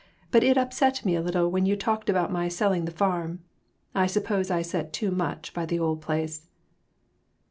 But it upset me a little when you talked about my selling the farm. I s'pose I set too much by the old place."